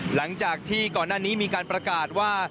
หลังจากที่ก่อนหน้านี้มีการประกาศว่า